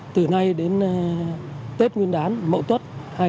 từ nay đến tết nguyên đán mậu tuất hai nghìn hai mươi